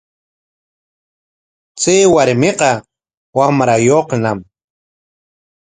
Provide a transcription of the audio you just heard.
Chay warmiqa wamrayuqñam.